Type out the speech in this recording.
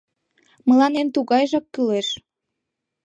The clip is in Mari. Мыланем тугайжак кӱлеш.